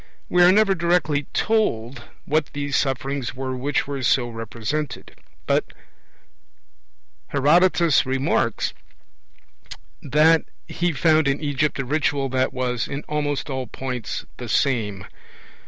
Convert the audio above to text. We are never directly told what these 'sufferings' were which were so represented; but Herodotus remarks that he found in Egypt a ritual that was 'in almost all points the same'.